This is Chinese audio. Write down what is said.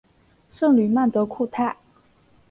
圣吕曼德库泰。